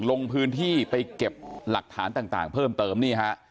ลงพื้นที่ไปเก็บหลักฐานต่างเพิ่มเติมนี่ฮะ